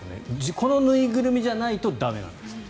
この縫いぐるみじゃないと駄目なんですって。